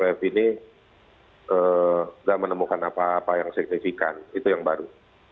wf ini tidak menemukan apa apa yang signifikan itu yang baru